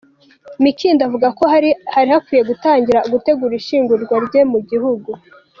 Mikindo avuga ko hari hakwiye gutangira gutegura ishyingurwa rye mu gihugu.